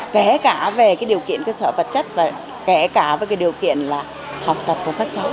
kể cả về cái điều kiện cơ sở vật chất và kể cả với cái điều kiện là học tập của các cháu